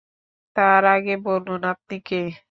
তার আগে বলুন, আপনি কে?